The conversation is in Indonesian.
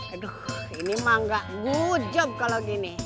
aduh ini mah nggak good job kalau gini